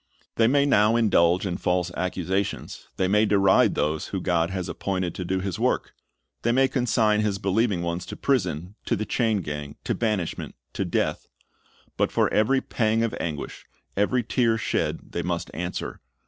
They may now indulge in false accusations, they may deride those whom God has appointed to do His work, they may consign His believing ones to prison, to the chain gang, to banishment, to death; but for every pang of anguish, every tear shed, they must answer.